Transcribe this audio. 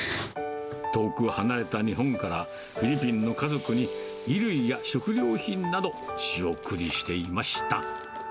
遠く離れた日本から、フィリピンの家族に、衣類や食料品など、仕送りしていました。